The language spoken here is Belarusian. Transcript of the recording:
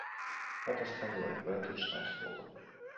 Гэта старое, паэтычнае слова.